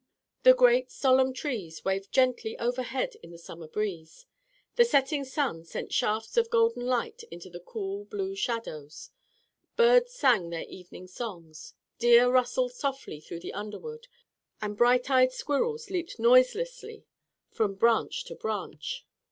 ] The great, solemn trees waved gently overhead in the summer breeze, the setting sun sent shafts of golden light into the cool, blue shadows, birds sang their evening songs, deer rustled softly through the underwood, and bright eyed squirrels leaped noiselessly from branch to branch.